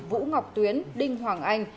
vũ ngọc tuyến đinh hoàng anh